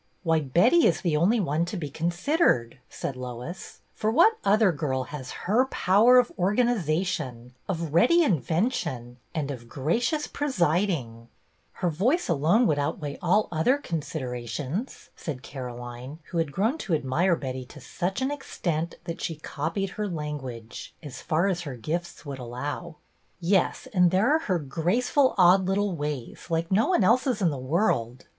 " Why, Betty is the only one to be con sidered," said Lois, " for what other girl has her power of organization, of ready invention, and of gracious presiding .?"" Her voice alone would outweigh all other considerations," said Caroline, who had grown to admire Betty to such an extent that she copied her language, as far as her gifts would allow. "Yes, and there are her graceful, odd little ways, like no one else's in the world.